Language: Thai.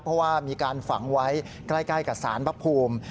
เพราะว่ามีการฝังไว้ใกล้กับสารพระภูมิ